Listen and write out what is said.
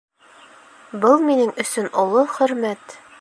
Был минең өсөн оло хөрмәт.